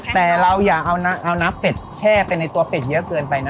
แต่เราอย่าเอาน้ำเป็ดแช่ไปในตัวเป็ดเยอะเกินไปนะ